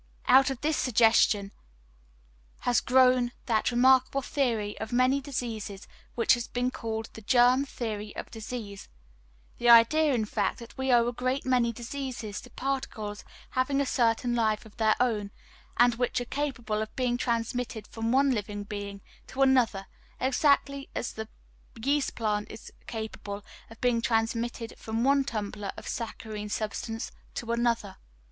Out of this suggestion has grown that remarkable theory of many diseases which has been called the "germ theory of disease," the idea, in fact, that we owe a great many diseases to particles having a certain life of their own, and which are capable of being transmitted from one living being to another, exactly as the yeast plant is capable of being transmitted from one tumbler of saccharine substance to another.